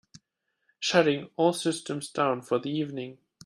Shutting all systems down for the evening.